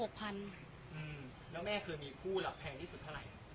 แล้วแม่เคยมีคู่ล่ะแพงที่สุดเท่าไหร่